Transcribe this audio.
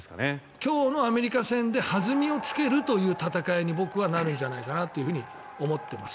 今日のアメリカ戦で弾みをつける戦いになるんじゃないかなって思っています。